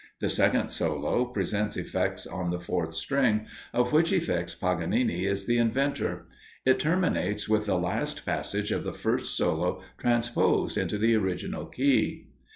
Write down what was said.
The second solo presents effects on the fourth string, of which effects Paganini is the inventor. It terminates with the last passage of the first solo transposed into the original key.